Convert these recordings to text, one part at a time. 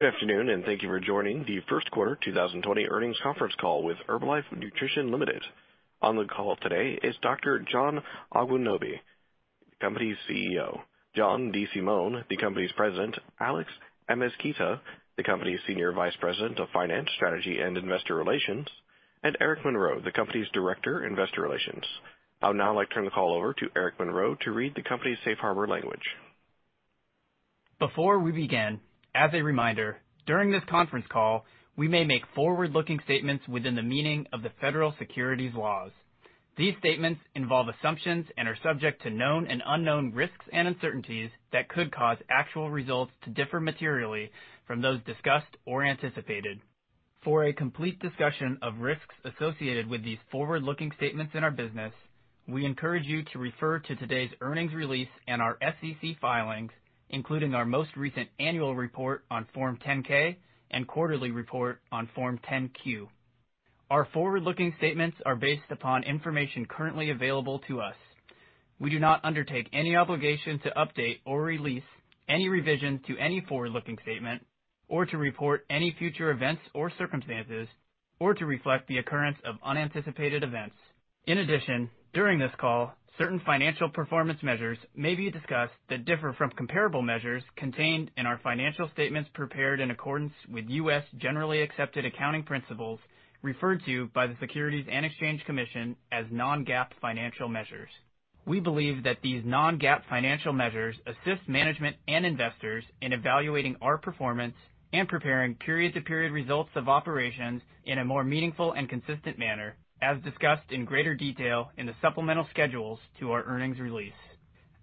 Good afternoon. Thank you for joining the first quarter 2020 earnings conference call with Herbalife Nutrition Ltd. On the call today is Dr. John Agwunobi, the company's CEO, John DeSimone, the company's President, Alex Amezquita, the company's Senior Vice President of Finance, Strategy, and Investor Relations, Eric Monroe, the company's Director, Investor Relations. I would now like to turn the call over to Eric Monroe to read the company's safe harbor language. Before we begin, as a reminder, during this conference call, we may make forward-looking statements within the meaning of the federal securities laws. These statements involve assumptions and are subject to known and unknown risks and uncertainties that could cause actual results to differ materially from those discussed or anticipated. For a complete discussion of risks associated with these forward-looking statements in our business, we encourage you to refer to today's earnings release and our SEC filings, including our most recent annual report on Form 10-K and quarterly report on Form 10-Q. Our forward-looking statements are based upon information currently available to us. We do not undertake any obligation to update or release any revision to any forward-looking statement or to report any future events or circumstances, or to reflect the occurrence of unanticipated events. In addition, during this call, certain financial performance measures may be discussed that differ from comparable measures contained in our financial statements prepared in accordance with U.S. Generally Accepted Accounting Principles referred to by the Securities and Exchange Commission as non-GAAP financial measures. We believe that these non-GAAP financial measures assist management and investors in evaluating our performance and preparing period-to-period results of operations in a more meaningful and consistent manner, as discussed in greater detail in the supplemental schedules to our earnings release.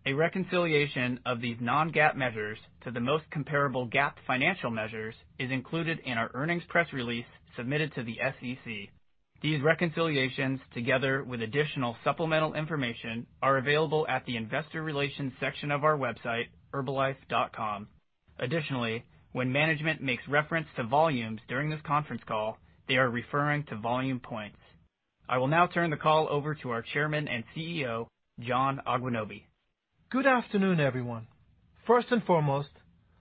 A reconciliation of these non-GAAP measures to the most comparable GAAP financial measures is included in our earnings press release submitted to the SEC. These reconciliations, together with additional supplemental information, are available at the investor relations section of our website, ir.herbalife.com. When management makes reference to volumes during this conference call, they are referring to volume Points. I will now turn the call over to our Chairman and CEO, John Agwunobi. Good afternoon, everyone. First and foremost,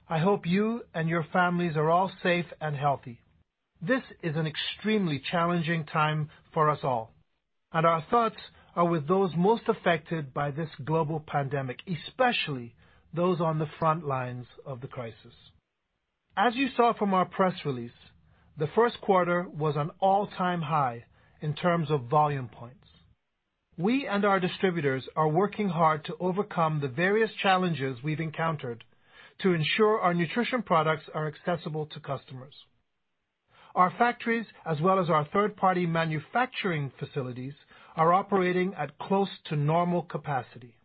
I hope you and your families are all safe and healthy. This is an extremely challenging time for us all, and our thoughts are with those most affected by this global pandemic, especially those on the front lines of the crisis. As you saw from our press release, the first quarter was an all-time high in terms of Volume Points. We and our distributors are working hard to overcome the various challenges we've encountered to ensure our nutrition products are accessible to customers. Our factories, as well as our third-party manufacturing facilities, are operating at close to normal capacity.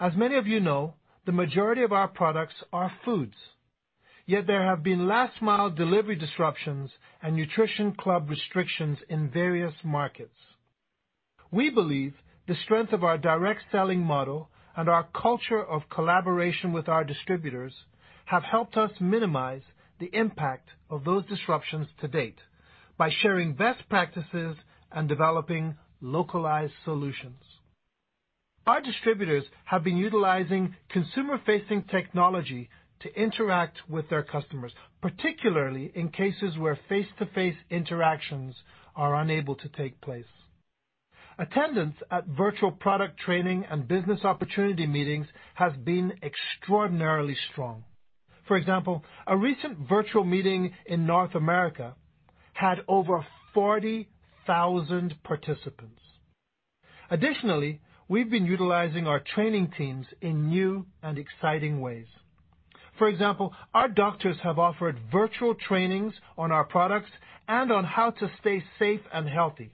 As many of you know, the majority of our products are foods, yet there have been last-mile delivery disruptions and Nutrition Club restrictions in various markets. We believe the strength of our direct selling model and our culture of collaboration with our distributors have helped us minimize the impact of those disruptions to date by sharing best practices and developing localized solutions. Our distributors have been utilizing consumer-facing technology to interact with their customers, particularly in cases where face-to-face interactions are unable to take place. Attendance at virtual product training and business opportunity meetings has been extraordinarily strong. For example, a recent virtual meeting in North America had over 40,000 participants. Additionally, we've been utilizing our training teams in new and exciting ways. For example, our doctors have offered virtual trainings on our products and on how to stay safe and healthy,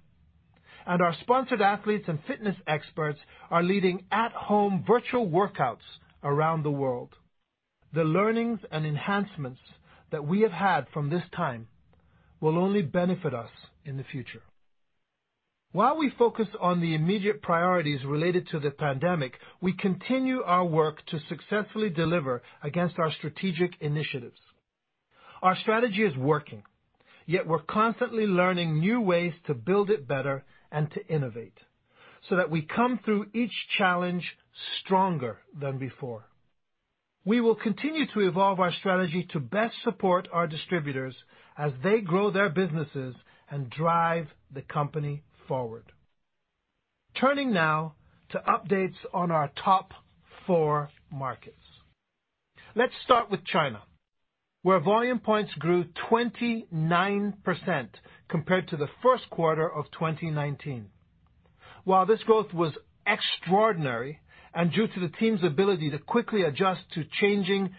and our sponsored athletes and fitness experts are leading at-home virtual workouts around the world. The learnings and enhancements that we have had from this time will only benefit us in the future. While we focus on the immediate priorities related to the pandemic, we continue our work to successfully deliver against our strategic initiatives. Our strategy is working, yet we're constantly learning new ways to build it better and to innovate, so that we come through each challenge stronger than before. We will continue to evolve our strategy to best support our distributors as they grow their businesses and drive the company forward. Turning now to updates on our top four markets. Let's start with China, where Volume Points grew 29% compared to the first quarter of 2019. While this growth was extraordinary and due to the team's ability to quickly adjust to changing.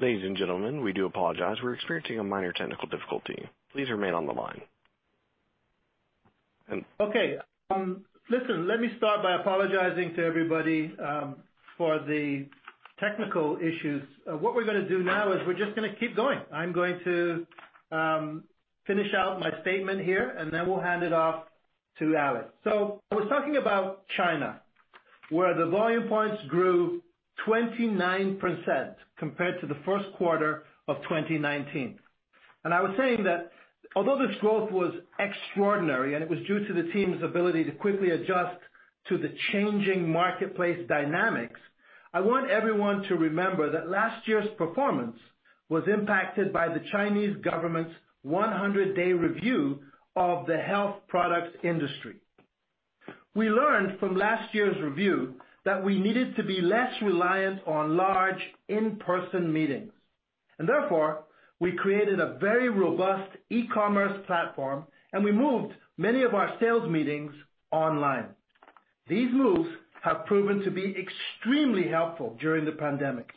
Ladies and gentlemen, we do apologize. We're experiencing a minor technical difficulty. Please remain on the line. Okay. Listen, let me start by apologizing to everybody for the technical issues. What we're going to do now is we're just going to keep going. I'm going to finish out my statement here, and then we'll hand it off to Alex. I was talking about China, where the Volume Points grew 29% compared to the first quarter of 2019. I was saying that although this growth was extraordinary and it was due to the team's ability to quickly adjust to the changing marketplace dynamics, I want everyone to remember that last year's performance was impacted by the Chinese government's 100-day review of the health products industry. We learned from last year's review that we needed to be less reliant on large in-person meetings, and therefore, we created a very robust e-commerce platform and we moved many of our sales meetings online. These moves have proven to be extremely helpful during the pandemic.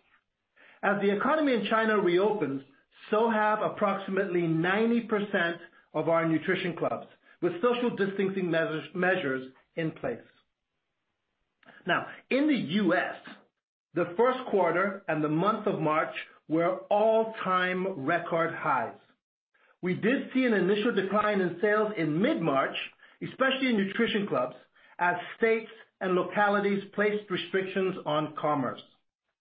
As the economy in China reopens, so have approximately 90% of our Nutrition Clubs, with social distancing measures in place. Now, in the U.S., the first quarter and the month of March were all-time record highs. We did see an initial decline in sales in mid-March, especially in Nutrition Clubs, as states and localities placed restrictions on commerce.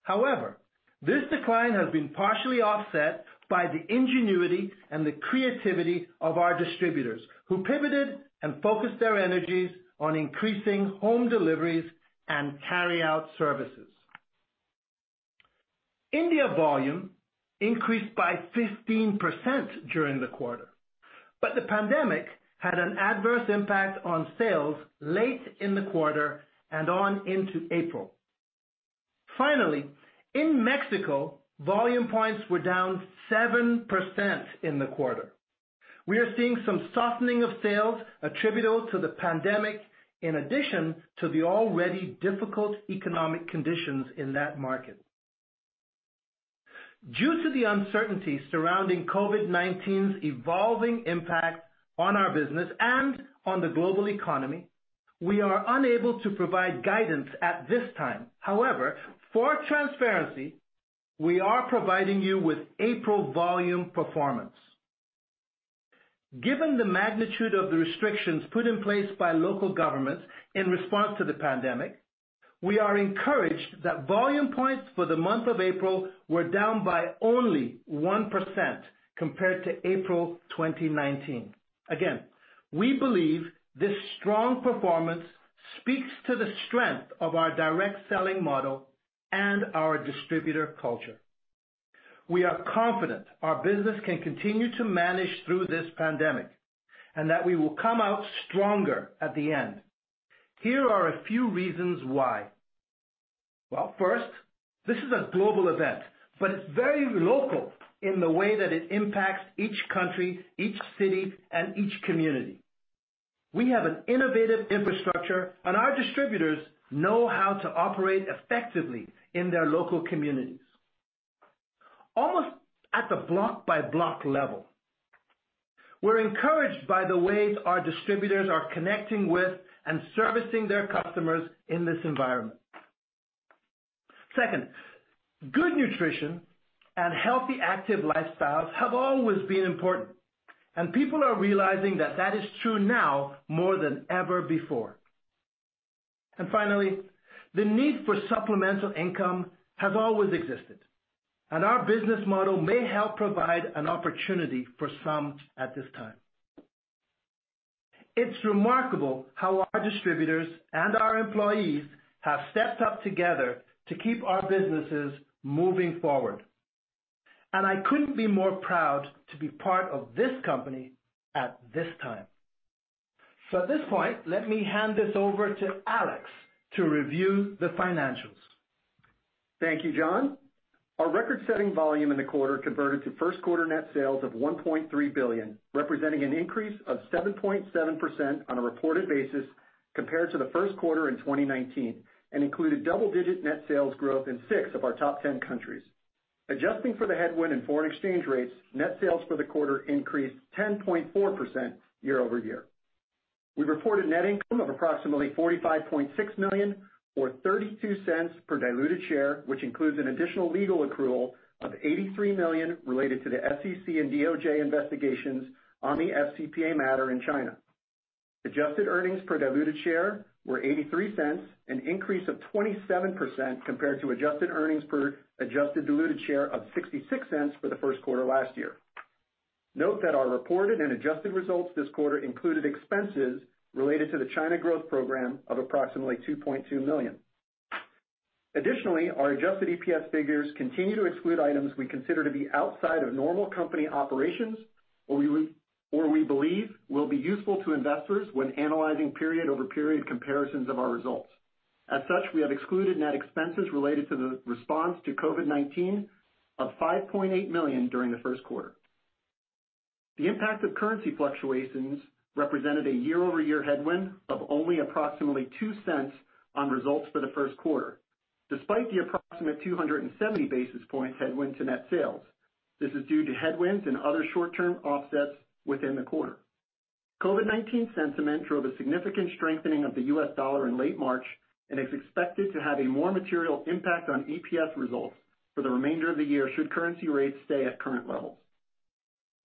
However, this decline has been partially offset by the ingenuity and the creativity of our distributors, who pivoted and focused their energies on increasing home deliveries and carry-out services. India volume increased by 15% during the quarter, but the pandemic had an adverse impact on sales late in the quarter and on into April. Finally, in Mexico, Volume Points were down 7% in the quarter. We are seeing some softening of sales attributable to the pandemic, in addition to the already difficult economic conditions in that market. Due to the uncertainty surrounding COVID-19's evolving impact on our business and on the global economy, we are unable to provide guidance at this time. For transparency, we are providing you with April volume performance. Given the magnitude of the restrictions put in place by local governments in response to the pandemic, we are encouraged that Volume Points for the month of April were down by only 1% compared to April 2019. We believe this strong performance speaks to the strength of our direct selling model and our distributor culture. We are confident our business can continue to manage through this pandemic, and that we will come out stronger at the end. Here are a few reasons why. Well, first, this is a global event, but it's very local in the way that it impacts each country, each city, and each community. We have an innovative infrastructure, and our distributors know how to operate effectively in their local communities, almost at the block-by-block level. We're encouraged by the ways our distributors are connecting with and servicing their customers in this environment. Second, good nutrition and healthy active lifestyles have always been important, and people are realizing that that is true now more than ever before. Finally, the need for supplemental income has always existed, and our business model may help provide an opportunity for some at this time. It's remarkable how our distributors and our employees have stepped up together to keep our businesses moving forward. I couldn't be more proud to be part of this company at this time. At this point, let me hand this over to Alex to review the financials. Thank you, John. Our record-setting volume in the quarter converted to first quarter net sales of $1.3 billion, representing an increase of 7.7% on a reported basis compared to the first quarter in 2019, and included double-digit net sales growth in six of our top 10 countries. Adjusting for the headwind in foreign exchange rates, net sales for the quarter increased 10.4% year-over-year. We reported net income of approximately $45.6 million or $0.32 per diluted share, which includes an additional legal accrual of $83 million related to the SEC and DOJ investigations on the FCPA matter in China. Adjusted earnings per diluted share were $0.83, an increase of 27% compared to adjusted earnings per adjusted diluted share of $0.66 for the first quarter last year. Note that our reported and adjusted results this quarter included expenses related to the China growth program of approximately $2.2 million. Additionally, our adjusted EPS figures continue to exclude items we consider to be outside of normal company operations or we believe will be useful to investors when analyzing period-over-period comparisons of our results. As such, we have excluded net expenses related to the response to COVID-19 of $5.8 million during the first quarter. The impact of currency fluctuations represented a year-over-year headwind of only approximately $0.02 on results for the first quarter, despite the approximate 270 basis points headwind to net sales. This is due to headwinds and other short-term offsets within the quarter. COVID-19 sentiment drove a significant strengthening of the US dollar in late March and is expected to have a more material impact on EPS results for the remainder of the year should currency rates stay at current levels.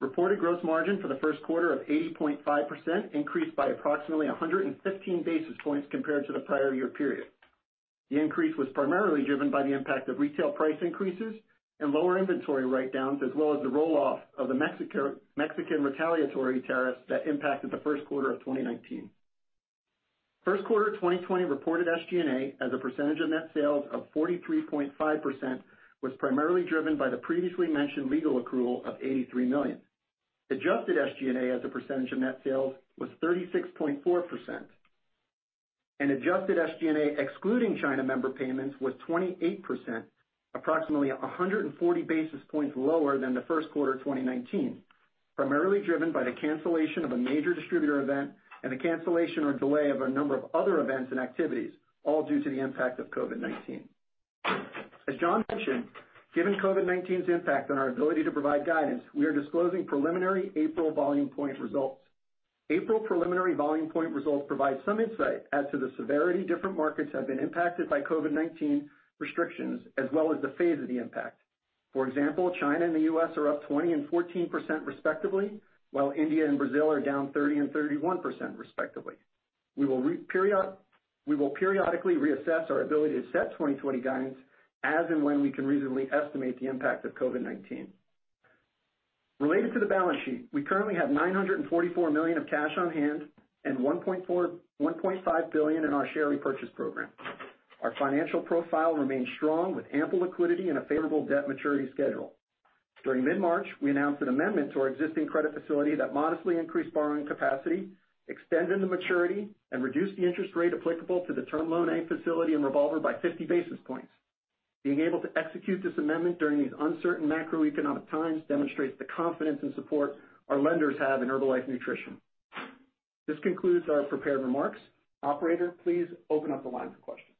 Reported gross margin for the first quarter of 80.5% increased by approximately 115 basis points compared to the prior year period. The increase was primarily driven by the impact of retail price increases and lower inventory write-downs, as well as the roll-off of the Mexican retaliatory tariffs that impacted the first quarter of 2019. First quarter 2020 reported SG&A as a percentage of net sales of 43.5%, was primarily driven by the previously mentioned legal accrual of $83 million. Adjusted SG&A as a percentage of net sales was 36.4%, and adjusted SG&A excluding China member payments was 28%, approximately 140 basis points lower than the first quarter 2019, primarily driven by the cancellation of a major distributor event and the cancellation or delay of a number of other events and activities, all due to the impact of COVID-19. As John mentioned, given COVID-19's impact on our ability to provide guidance, we are disclosing preliminary April Volume Point results. April preliminary Volume Point results provide some insight as to the severity different markets have been impacted by COVID-19 restrictions, as well as the phase of the impact. For example, China and the U.S. are up 20% and 14% respectively, while India and Brazil are down 30% and 31% respectively. We will periodically reassess our ability to set 2020 guidance as and when we can reasonably estimate the impact of COVID-19. Related to the balance sheet, we currently have $944 million of cash on hand and $1.5 billion in our share repurchase program. Our financial profile remains strong with ample liquidity and a favorable debt maturity schedule. During mid-March, we announced an amendment to our existing credit facility that modestly increased borrowing capacity, extended the maturity, and reduced the interest rate applicable to the Term Loan A facility and revolver by 50 basis points. Being able to execute this amendment during these uncertain macroeconomic times demonstrates the confidence and support our lenders have in Herbalife Nutrition. This concludes our prepared remarks. Operator, please open up the line for questions.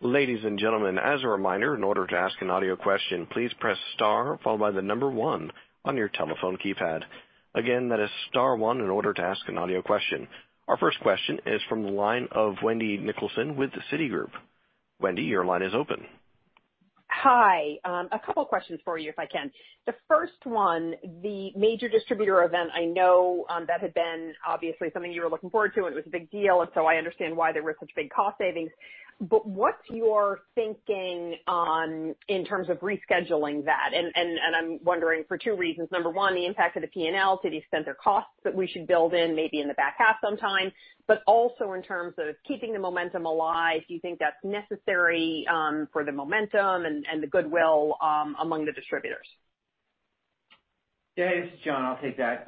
Ladies and gentlemen, as a reminder, in order to ask an audio question, please press star followed by the number one on your telephone keypad. Again, that is star one in order to ask an audio question. Our first question is from the line of Wendy Nicholson with Citigroup. Wendy, your line is open. Hi. A couple questions for you, if I can. The first one, the major distributor event, I know that had been obviously something you were looking forward to, and it was a big deal. I understand why there were such big cost savings. What's your thinking in terms of rescheduling that? I'm wondering for two reasons. Number one, the impact of the P&L to the extent there are costs that we should build in maybe in the back half sometime, but also in terms of keeping the momentum alive. Do you think that's necessary for the momentum and the goodwill among the distributors? Yeah, this is John. I'll take that.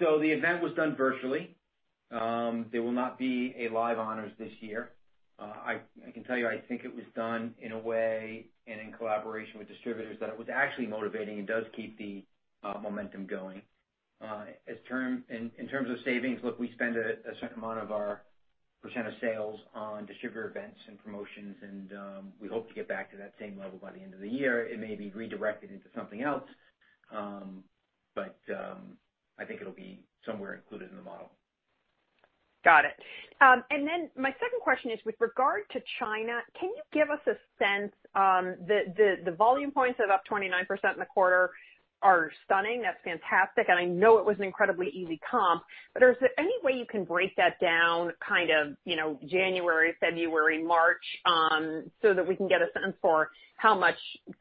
The event was done virtually. There will not be a live honors this year. I can tell you, I think it was done in a way and in collaboration with distributors that it was actually motivating and does keep the momentum going. In terms of savings, look, we spend a certain amount of our percent of sales on distributor events and promotions, and we hope to get back to that same level by the end of the year. It may be redirected into something else, but I think it'll be somewhere included in the model. Got it. My second question is with regard to China, can you give us a sense, the Volume Points of up 29% in the quarter are stunning. That's fantastic. I know it was an incredibly easy comp, is there any way you can break that down January, February, March, so that we can get a sense for how much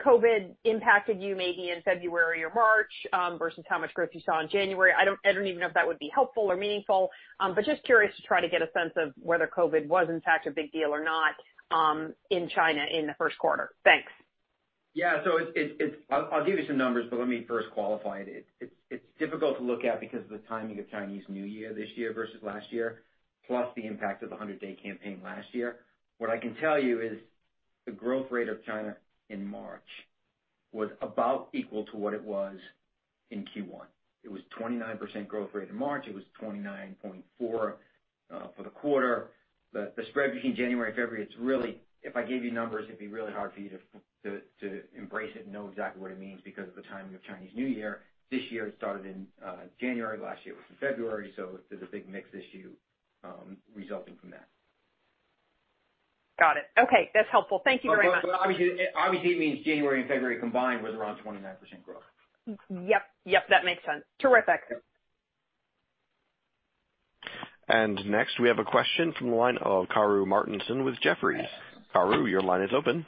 COVID impacted you maybe in February or March, versus how much growth you saw in January? I don't even know if that would be helpful or meaningful, just curious to try to get a sense of whether COVID was in fact a big deal or not in China in the first quarter. Thanks. I'll give you some numbers. Let me first qualify it. It's difficult to look at because of the timing of Chinese New Year this year versus last year, plus the impact of the 100-day campaign last year. What I can tell you is the growth rate of China in March was about equal to what it was in Q1. It was 29% growth rate in March. It was 29.4% for the quarter. The spread between January and February, if I gave you numbers, it'd be really hard for you to embrace it and know exactly what it means because of the timing of Chinese New Year. This year it started in January, last year it was in February. There's a big mix issue resulting from that. Got it. Okay, that's helpful. Thank you very much. Obviously it means January and February combined was around 29% growth. Yep. That makes sense. Terrific. Next we have a question from the line of Karru Martinson with Jefferies. Kareem, your line is open.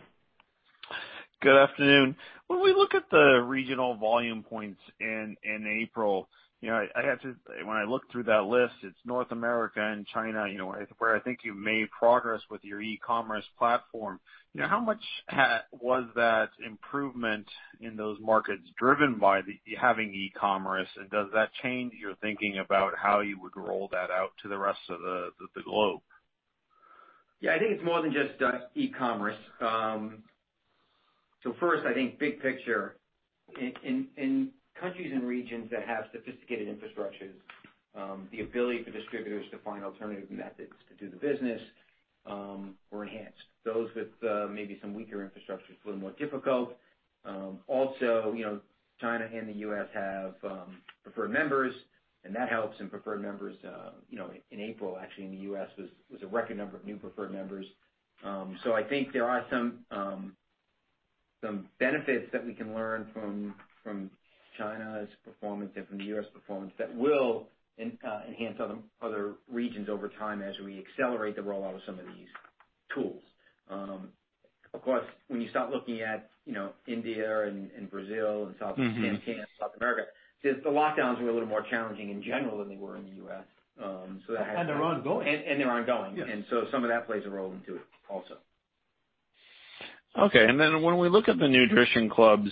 Good afternoon. When we look at the regional Volume Points in April, when I looked through that list, it's North America and China, where I think you've made progress with your e-commerce platform. How much was that improvement in those markets driven by having e-commerce, and does that change your thinking about how you would roll that out to the rest of the globe? Yeah, I think it's more than just e-commerce. First, I think big picture, in countries and regions that have sophisticated infrastructures, the ability for distributors to find alternative methods to do the business were enhanced. Those with maybe some weaker infrastructure, it's a little more difficult. Also, China and the U.S. have Preferred Members, and that helps. Preferred Members, in April, actually in the U.S., was a record number of new Preferred Members. I think there are some benefits that we can learn from China's performance and from the U.S. performance that will enhance other regions over time as we accelerate the rollout of some of these tools. Of course, when you start looking at India and Brazil and South SAM/CAM, South America, the lockdowns were a little more challenging in general than they were in the U.S. They're ongoing. They're ongoing. Yes. Some of that plays a role into it also. Okay. When we look at the Nutrition Clubs,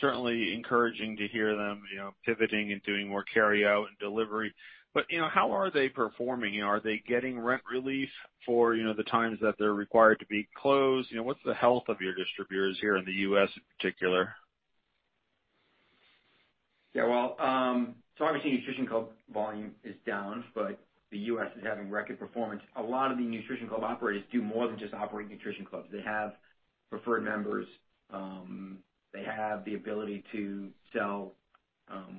certainly encouraging to hear them pivoting and doing more carry out and delivery, but how are they performing? Are they getting rent relief for the times that they're required to be closed? What's the health of your distributors here in the U.S. in particular? Yeah. Obviously, Nutrition Club volume is down, but the U.S. is having record performance. A lot of the Nutrition Club operators do more than just operate Nutrition Clubs. They have Preferred Members. They have the ability to sell,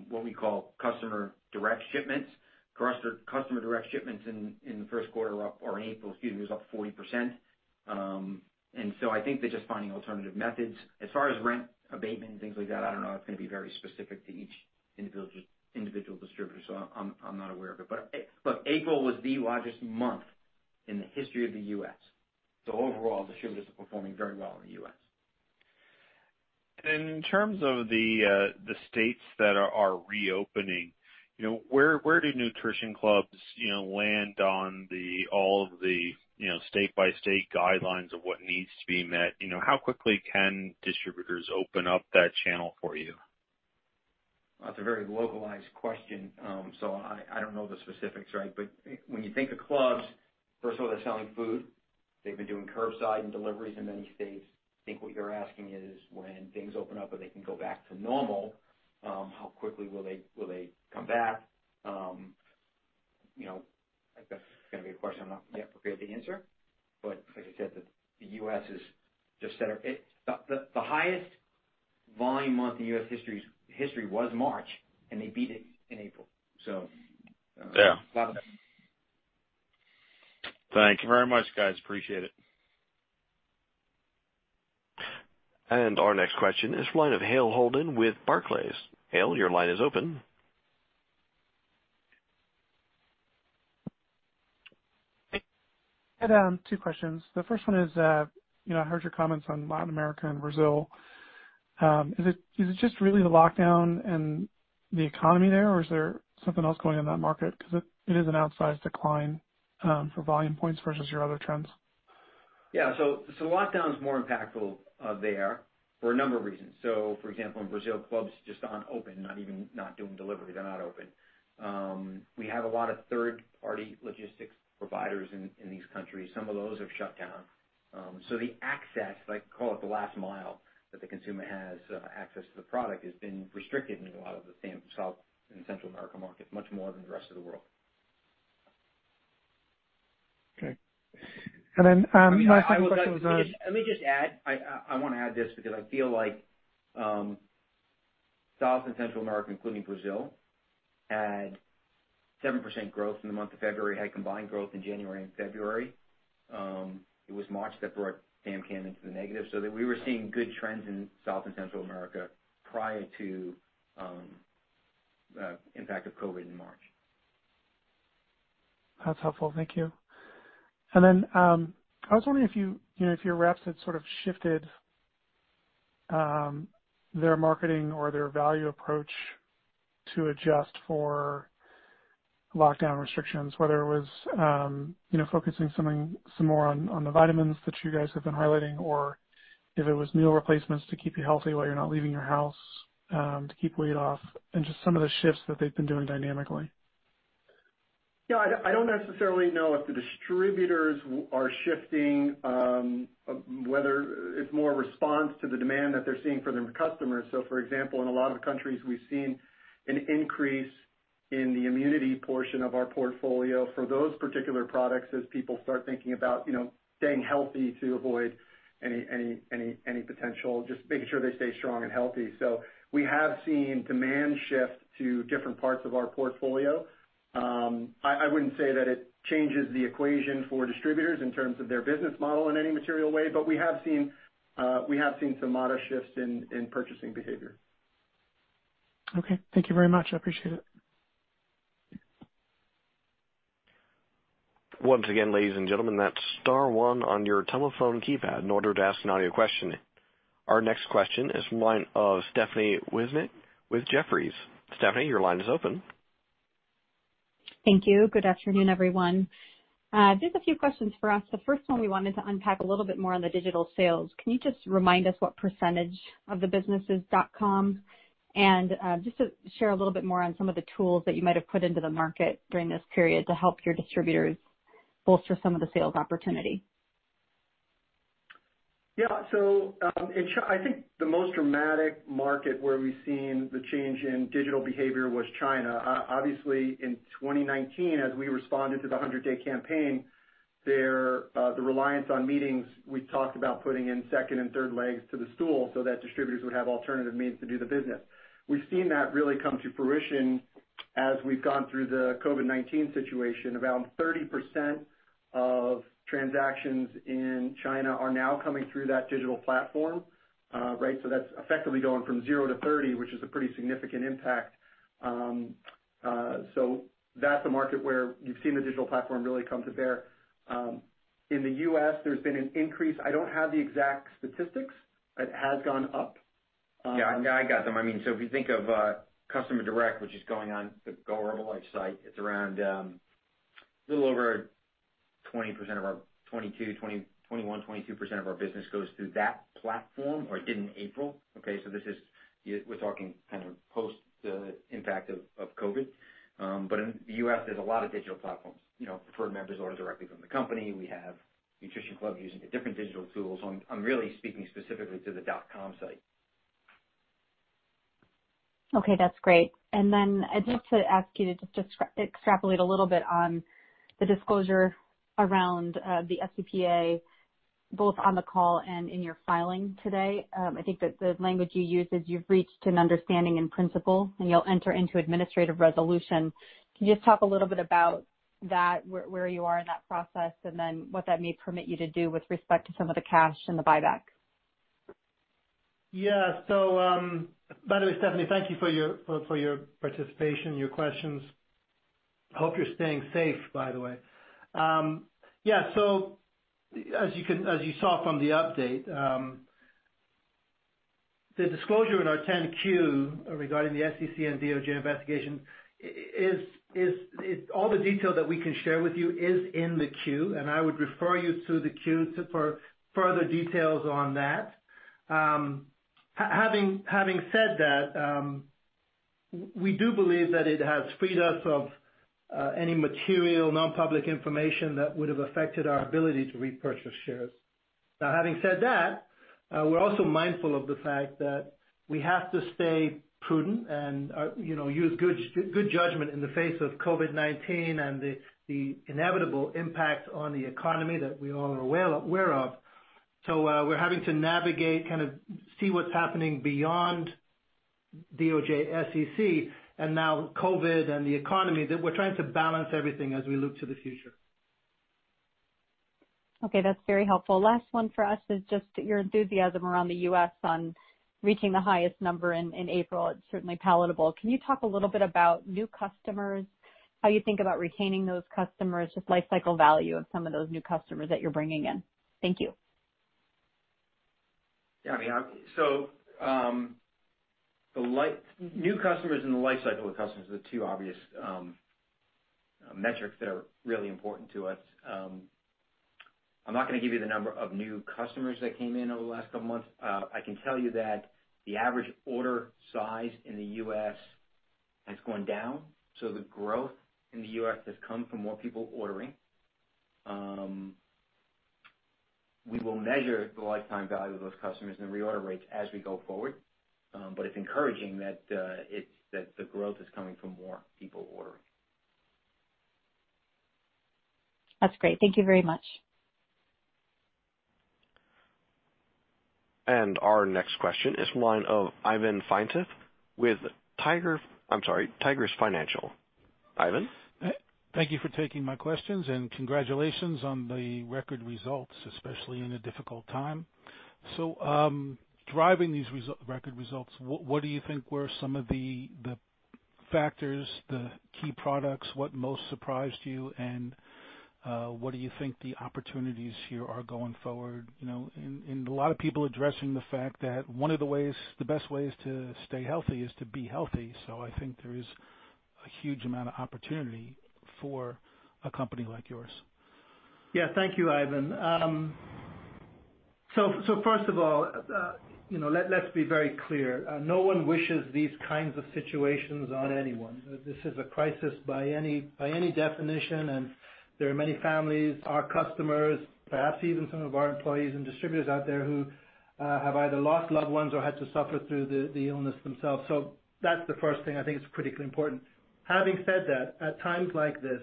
what we call Customer Direct shipments. Customer Direct shipments in the first quarter were up, or in April, excuse me, was up 40%. I think they're just finding alternative methods. As far as rent abatement and things like that, I don't know. It's going to be very specific to each individual distributor, so I'm not aware of it. Look, April was the largest month in the history of the U.S. Overall, distributors are performing very well in the U.S. In terms of the states that are reopening, where do Nutrition Clubs land on all of the state-by-state guidelines of what needs to be met? How quickly can distributors open up that channel for you? That's a very localized question. I don't know the specifics, right. When you think of Nutrition Clubs, first of all, they're selling food. They've been doing curbside and deliveries in many states. I think what you're asking is when things open up or they can go back to normal, how quickly will they come back? I think that's going to be a question I'm not yet prepared to answer. Like I said, the U.S. is just set up. The highest Volume Points month in U.S. history was March, and they beat it in April. Yeah. A lot of that. Thank you very much, guys. Appreciate it. Our next question is the line of Hale Holden with Barclays. Hale, your line is open. Hey. I had two questions. The first one is, I heard your comments on Latin America and Brazil. Is it just really the lockdown and the economy there, or is there something else going on in that market? It is an outsized decline, for Volume Points versus your other trends. Yeah. Lockdowns more impactful there for a number of reasons. For example, in Brazil, Nutrition Clubs just aren't open, not even doing delivery. They're not open. We have a lot of third-party logistics providers in these countries. Some of those have shut down. The access, call it the last mile, that the consumer has access to the product has been restricted in a lot of the South America and Central America markets, much more than the rest of the world. Okay. My second question is on. Let me just add. I want to add this because I feel like South and Central America, including Brazil, had 7% growth in the month of February, had combined growth in January and February. It was March that brought SAM/CAM into the negative, so that we were seeing good trends in South and Central America prior to the impact of COVID in March. That's helpful. Thank you. I was wondering if your reps had sort of shifted their marketing or their value approach to adjust for lockdown restrictions, whether it was focusing some more on the vitamins that you guys have been highlighting, or if it was meal replacements to keep you healthy while you're not leaving your house, to keep weight off, and just some of the shifts that they've been doing dynamically. Yeah, I don't necessarily know if the distributors are shifting, whether it's more a response to the demand that they're seeing from their customers. For example, in a lot of the countries, we've seen an increase in the immunity portion of our portfolio for those particular products as people start thinking about staying healthy, making sure they stay strong and healthy. We have seen demand shift to different parts of our portfolio. I wouldn't say that it changes the equation for distributors in terms of their business model in any material way, but we have seen some modest shifts in purchasing behavior. Okay. Thank you very much. I appreciate it. Once again, ladies and gentlemen, that's star one on your telephone keypad in order to ask an audio question. Our next question is from the line of Stephanie Wissink with Jefferies. Stephanie, your line is open. Thank you. Good afternoon, everyone. Just a few questions for us. The first one we wanted to unpack a little bit more on the digital sales. Can you just remind us what percentage of the business is .com? Just to share a little bit more on some of the tools that you might have put into the market during this period to help your distributors bolster some of the sales opportunity. Yeah. I think the most dramatic market where we've seen the change in digital behavior was China. Obviously, in 2019, as we responded to the 100-day campaign there, the reliance on meetings, we talked about putting in second and third legs to the stool so that distributors would have alternative means to do the business. We've seen that really come to fruition. As we've gone through the COVID-19 situation, around 30% of transactions in China are now coming through that digital platform. That's effectively going from 0% to 30%, which is a pretty significant impact. That's a market where you've seen the digital platform really come to bear. In the U.S., there's been an increase. I don't have the exact statistics. It has gone up. If you think of Customer Direct, which is going on the GoHerbalife site, it's around a little over 21%, 22% of our business goes through that platform, or it did in April. We're talking post the impact of COVID. In the U.S., there's a lot of digital platforms. Preferred Members order directly from the company. We have Nutrition Club using different digital tools. I'm really speaking specifically to the .com site. Okay, that's great. I just want to ask you to just extrapolate a little bit on the disclosure around the FCPA, both on the call and in your filing today. I think that the language you use is you've reached an understanding in principle, and you'll enter into administrative resolution. Can you just talk a little bit about that, where you are in that process, what that may permit you to do with respect to some of the cash and the buyback? By the way, Stephanie, thank you for your participation, your questions. Hope you're staying safe, by the way. As you saw from the update, the disclosure in our 10-Q regarding the SEC and DOJ investigation, all the detail that we can share with you is in the Q, and I would refer you to the Q for further details on that. Having said that, we do believe that it has freed us of any material, non-public information that would have affected our ability to repurchase shares. Having said that, we're also mindful of the fact that we have to stay prudent and use good judgment in the face of COVID-19 and the inevitable impact on the economy that we all are aware of. We're having to navigate, kind of see what's happening beyond DOJ, SEC, and now COVID and the economy, that we're trying to balance everything as we look to the future. Okay, that's very helpful. Last one for us is just your enthusiasm around the U.S. on reaching the highest number in April. It's certainly palatable. Can you talk a little bit about new customers, how you think about retaining those customers, just lifecycle value of some of those new customers that you're bringing in? Thank you. New customers and the lifecycle of customers are the two obvious metrics that are really important to us. I'm not going to give you the number of new customers that came in over the last couple of months. I can tell you that the average order size in the U.S. has gone down. The growth in the U.S. has come from more people ordering. We will measure the lifetime value of those customers and reorder rates as we go forward. It's encouraging that the growth is coming from more people ordering. That's great. Thank you very much. Our next question is from the line of Ivan Feinseth with Tigress Financial. Ivan? Thank you for taking my questions, and congratulations on the record results, especially in a difficult time. Driving these record results, what do you think were some of the factors, the key products, what most surprised you, and what do you think the opportunities here are going forward? A lot of people are addressing the fact that one of the best ways to stay healthy is to be healthy. I think there is a huge amount of opportunity for a company like yours. Yeah. Thank you, Ivan. First of all, let's be very clear. No one wishes these kinds of situations on anyone. This is a crisis by any definition, and there are many families, our customers, perhaps even some of our employees and distributors out there who have either lost loved ones or had to suffer through the illness themselves. That's the first thing I think is critically important. Having said that, at times like this,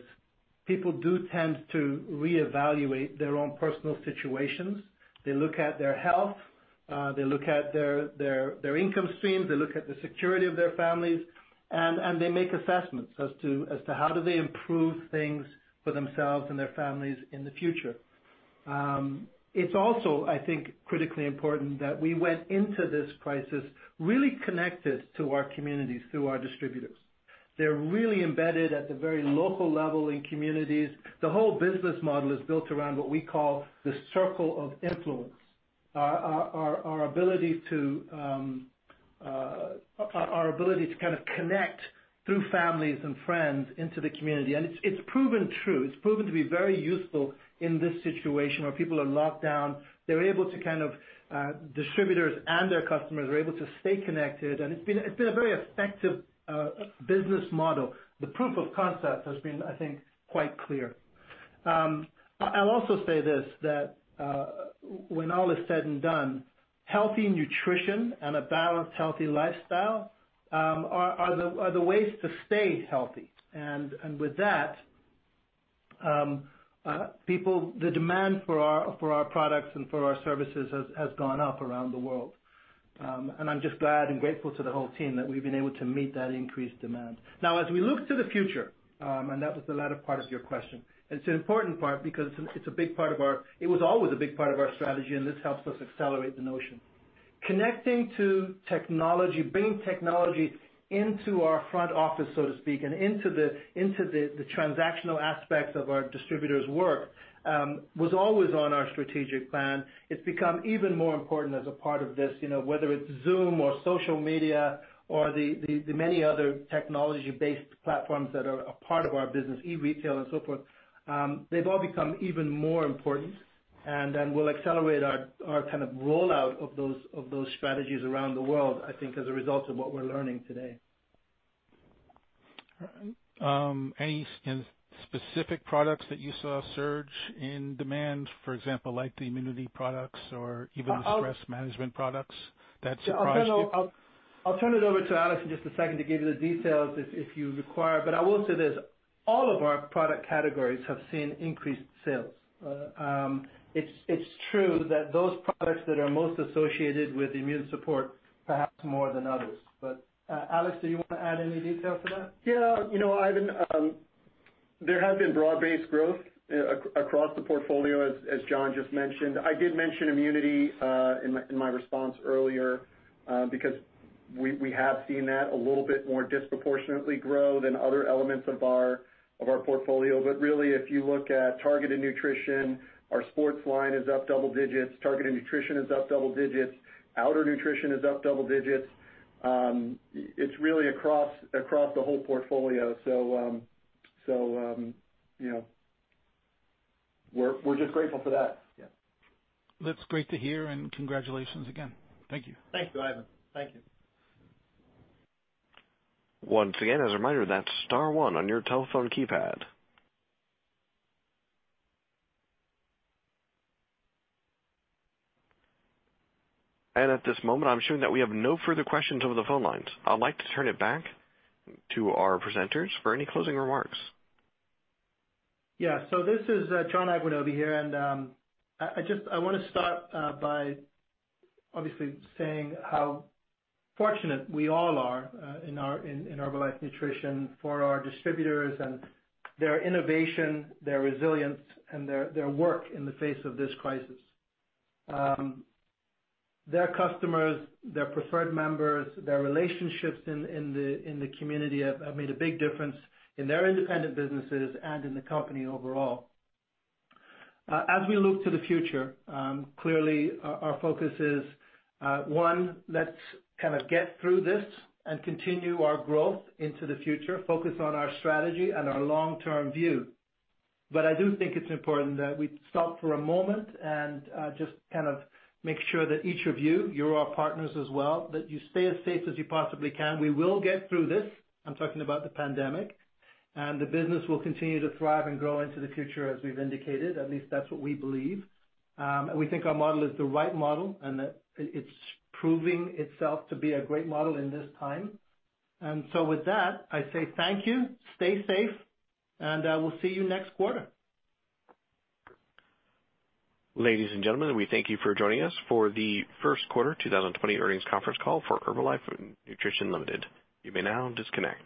people do tend to reevaluate their own personal situations. They look at their health, they look at their income streams, they look at the security of their families, and they make assessments as to how do they improve things for themselves and their families in the future. It's also, I think, critically important that we went into this crisis really connected to our communities through our distributors. They're really embedded at the very local level in communities. The whole business model is built around what we call the Circle of Influence. Our ability to kind of connect through families and friends into the community. It's proven true. It's proven to be very useful in this situation where people are locked down. Distributors and their customers are able to stay connected, and it's been a very effective business model. The proof of concept has been, I think, quite clear. I'll also say this, that when all is said and done, healthy nutrition and a balanced, healthy lifestyle are the ways to stay healthy. With that, the demand for our products and for our services has gone up around the world. I'm just glad and grateful to the whole team that we've been able to meet that increased demand. As we look to the future, that was the latter part of your question, it's an important part because it was always a big part of our strategy, this helps us accelerate the notion. Connecting to technology, bringing technology into our front office, so to speak, and into the transactional aspects of our distributors' work, was always on our strategic plan. It's become even more important as a part of this, whether it's Zoom or social media or the many other technology-based platforms that are a part of our business, e-retail and so forth. They've all become even more important, we'll accelerate our rollout of those strategies around the world, I think, as a result of what we're learning today. Any specific products that you saw a surge in demand, for example, like the immunity products or even the stress management products that surprised you? I'll turn it over to Alex in just a second to give you the details if you require, but I will say this. All of our product categories have seen increased sales. It's true that those products that are most associated with immune support, perhaps more than others. Alex, do you want to add any detail to that? Ivan, there has been broad-based growth across the portfolio, as John just mentioned. I did mention immunity in my response earlier, because we have seen that a little bit more disproportionately grow than other elements of our portfolio. Really, if you look at Targeted Nutrition, our sports line is up double digits. Targeted Nutrition is up double digits. Outer Nutrition is up double digits. It's really across the whole portfolio. We're just grateful for that. Yeah. That's great to hear, and congratulations again. Thank you. Thank you, Ivan. Thank you. Once again, as a reminder, that's star one on your telephone keypad. At this moment, I'm showing that we have no further questions over the phone lines. I'd like to turn it back to our presenters for any closing remarks. This is John Agwunobi here, and I want to start by obviously saying how fortunate we all are in Herbalife Nutrition for our distributors and their innovation, their resilience, and their work in the face of this crisis. Their customers, their Preferred Members, their relationships in the community have made a big difference in their independent businesses and in the company overall. As we look to the future, clearly, our focus is, one, let's kind of get through this and continue our growth into the future, focus on our strategy and our long-term view. I do think it's important that we stop for a moment and just kind of make sure that each of you're our partners as well, that you stay as safe as you possibly can. We will get through this. I'm talking about the pandemic, and the business will continue to thrive and grow into the future as we've indicated. At least that's what we believe. We think our model is the right model, and that it's proving itself to be a great model in this time. With that, I say thank you, stay safe, and we'll see you next quarter. Ladies and gentlemen, we thank you for joining us for the first quarter 2020 earnings conference call for Herbalife Nutrition Ltd. You may now disconnect.